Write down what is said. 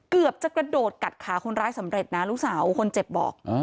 เกือบจะกระโดดกัดขาคนร้ายสำเร็จนะลูกสาวคนเจ็บบอก